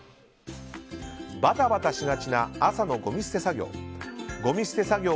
バタバタしがちな朝のごみ捨て作業。